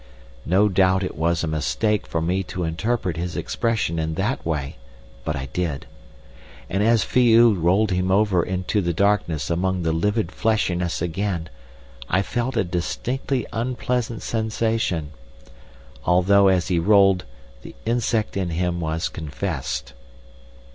No doubt it was a mistake for me to interpret his expression in that way, but I did. And as Phi oo rolled him over into the darkness among the livid fleshiness again I felt a distinctly unpleasant sensation, although as he rolled the insect in him was confessed.